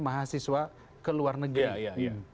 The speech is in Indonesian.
mahasiswa ke luar negeri